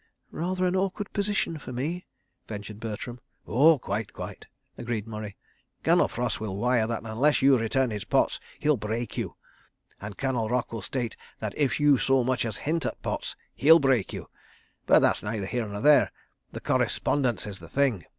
"Rather an awkward position for me," ventured Bertram. "Oh, quite, quite," agreed Murray. "Colonel Frost will wire that unless you return his pots, he'll break you—and Colonel Rock will state that if you so much as hint at pots, he'll break you. ... But that's neither here nor there—the Correspondence is the thing.